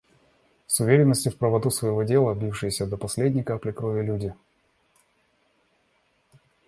С уверенностью в правоту своего дела, бившиеся до последней капли крови люди.